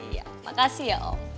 ya makasih ya om